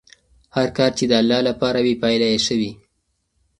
هر کار چې د الله لپاره وي پایله یې ښه وي.